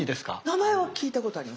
名前は聞いたことあります。